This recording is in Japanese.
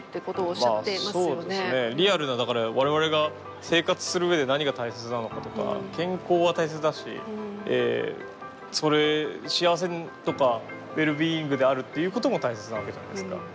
リアルなだから我々が生活する上で何が大切なのかとか健康は大切だし幸せとかウェルビーイングであるっていうことも大切なわけじゃないですか。